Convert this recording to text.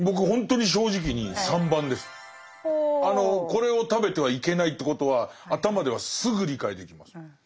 これを食べてはいけないということは頭ではすぐ理解できます。